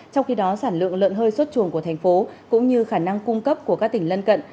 trong khi đó sản lượng lợn hơi xuất chuồng của thành phố cũng như khả năng cung cấp của các tỉnh lân cận